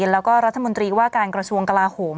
แล้วก็รัฐมนตรีว่าการกระทรวงกลาโหม